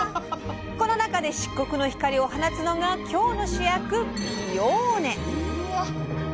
この中で漆黒の光を放つのが今日の主役ピオーネ！